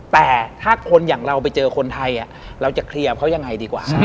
แต่ถ้าคนอย่างเราไปเจอคนไทยเราจะเคลียร์เขายังไงดีกว่า